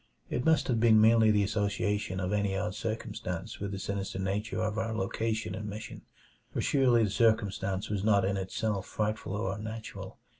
It must have been merely the association of any odd circumstance with the sinister nature of our location and mission, for surely the circumstance was not in itself frightful or unnatural.